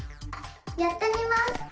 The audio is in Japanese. やってみます！